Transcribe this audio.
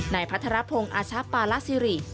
ในพัฒนาพงศ์อาชาปาลาซิริ